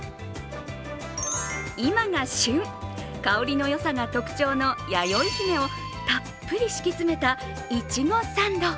今が旬、香りのよさが特徴のやよいひめをたっぷり敷き詰めたいちごサンド。